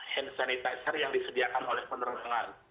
hand sanitizer yang disediakan oleh penerbangan